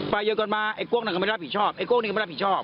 ประโยชน์ก่อนมาไอ้กล้วงนี่ก็ไม่ได้รับผิดชอบ